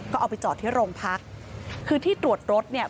ก็เอาไปจอดที่โรงพักคือที่ตรวจรถเนี่ย